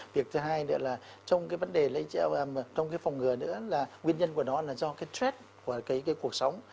việc thứ hai nữa là trong cái vấn đề lây chéo trong cái phòng ngừa nữa là nguyên nhân của nó là do cái threat của cái cuộc sống